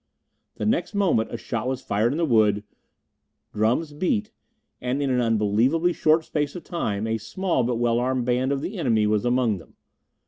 The next moment a shot was fired in the wood, drums beat, and in an unbelievably short space of time a small but well armed band of the enemy was among them.